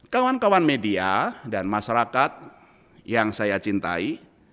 kawan kawan media dan masyarakat yang saya cintai